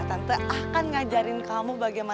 tante akan ngajarin kamu bagaimana